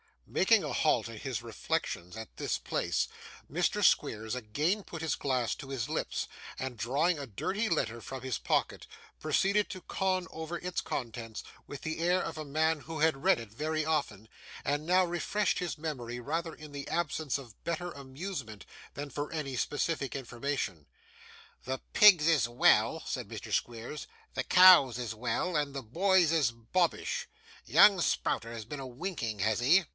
Making a halt in his reflections at this place, Mr. Squeers again put his glass to his lips, and drawing a dirty letter from his pocket, proceeded to con over its contents with the air of a man who had read it very often, and now refreshed his memory rather in the absence of better amusement than for any specific information. 'The pigs is well,' said Mr. Squeers, 'the cows is well, and the boys is bobbish. Young Sprouter has been a winking, has he?